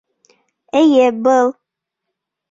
Эйе, был